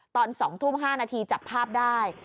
ตอน๒ทุ่ม๕นาทีจับภาพได้